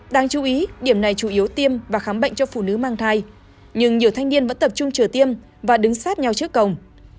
đáng chú ý điểm này chủ yếu tiêm và khám bệnh cho phụ nữ mang thai nhưng nhiều thanh niên vẫn tập trung trở tiêm và đứng sát nhau trước cổng